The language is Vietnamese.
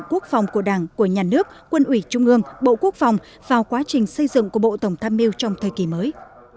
quốc phòng của đảng của nhà nước quân ủy trung ương bộ quốc phòng vào quá trình xây dựng của bộ tổng tham mưu trong thời kỳ mới